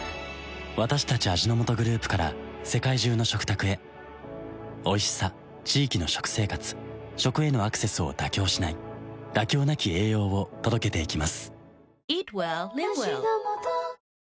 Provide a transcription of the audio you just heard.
私たち味の素グループから世界中の食卓へおいしさ地域の食生活食へのアクセスを妥協しない「妥協なき栄養」を届けていきます